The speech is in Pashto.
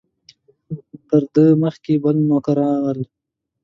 تر ده مخکې بل نوکریوال و.